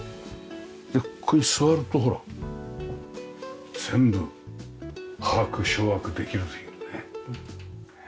ここに座るとほら全部把握掌握できるというね。